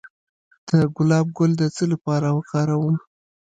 د ګلاب ګل د څه لپاره وکاروم؟